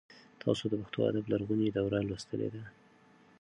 تاسو د پښتو ادب لرغونې دوره لوستلې ده؟